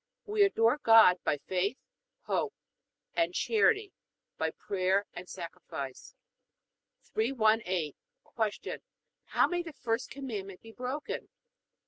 We adore God by faith, hope, and charity, by prayer and sacrifice. 318. Q. How may the first Commandment be broken?